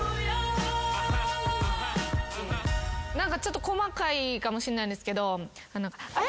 ちょっと細かいかもしんないんですけど。